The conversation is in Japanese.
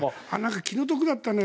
気の毒だったのよ。